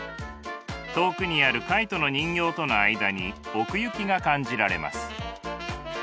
遠くにあるカイトの人形との間に奥行きが感じられます。